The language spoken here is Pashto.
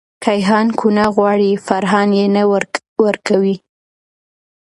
کیهان کونه غواړې.فرحان یی نه ورکوې